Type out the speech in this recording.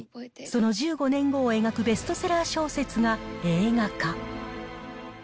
その１５年後を描くベストセラー小説が、映画化。